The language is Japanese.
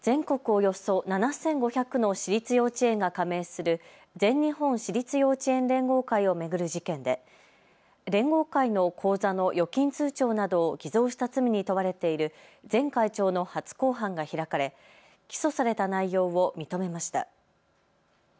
およそ７５００の私立幼稚園が加盟する全日本私立幼稚園連合会を巡る事件で連合会の口座の預金通帳などを偽造した罪に問われている前会長の初公判が開かれ起訴された内容を認めました。